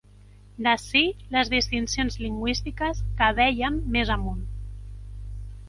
D'ací les distincions lingüístiques que vèiem més amunt.